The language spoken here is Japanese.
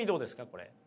これ。